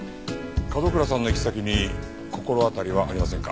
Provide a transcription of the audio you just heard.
角倉さんの行き先に心当たりはありませんか？